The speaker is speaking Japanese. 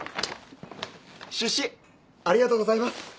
出資ありがとうございます！